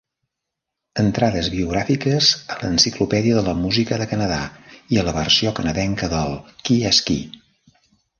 Entrades biogràfiques a l'Enciclopèdia de la Música de Canadà i a la versió canadenca del "Qui és qui".